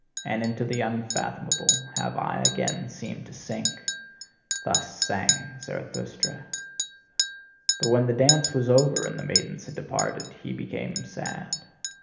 And into the unfathomable have I again seemed to sink. Thus sang Zarathustra. But when the dance was over and the maidens had departed, he became sad.